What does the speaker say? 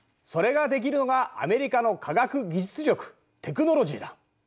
それができるのがアメリカの科学技術力テクノロジーだ。